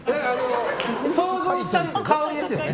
想像した香りですよね。